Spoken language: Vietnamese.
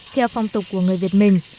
theo phong tục của người việt mình